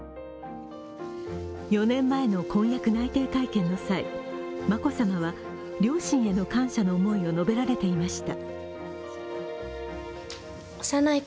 ４年前の婚約内定会見の際、眞子さまは両親への感謝の思いを述べられていました。